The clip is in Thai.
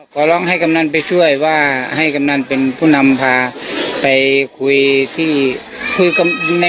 ขอร้องให้กำนันไปช่วยว่าให้กำนันเป็นผู้นำพาไปคุยที่คุยกับใน